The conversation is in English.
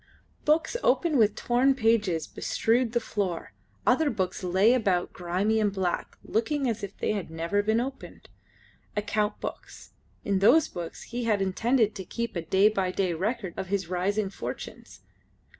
Books open with torn pages bestrewed the floor; other books lay about grimy and black, looking as if they had never been opened. Account books. In those books he had intended to keep day by day a record of his rising fortunes.